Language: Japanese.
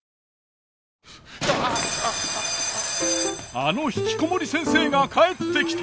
あのひきこもり先生が帰ってきた！